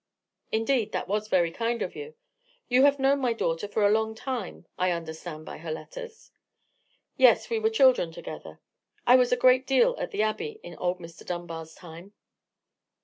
"Indeed, that was very kind of you. You have known my daughter for a long time, I understand by her letters." "Yes. We were children together. I was a great deal at the Abbey in old Mr. Dunbar's time."